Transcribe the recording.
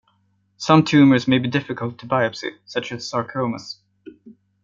Some tumors may be difficult to biopsy, such as sarcomas.